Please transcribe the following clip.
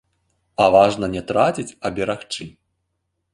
А важна не траціць, а берагчы.